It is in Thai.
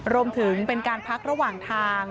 รวมถึงเป็นการพักระหว่างทาง